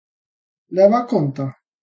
Leva a conta?